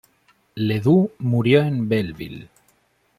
Ledoux murió en Belleville.